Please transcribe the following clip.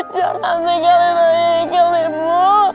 jangan tinggalin aku yang ikel ibu